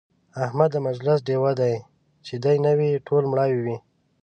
احمد د مجلس ډېوه دی، چې دی نه وي ټول مړاوي وي.